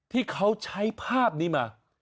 ที่เขาใช้ภาพนี้มา